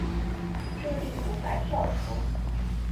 注定无法跳脱